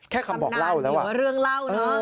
แค่คำบอกเล่าแล้ว